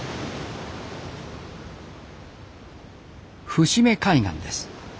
伏目海岸です。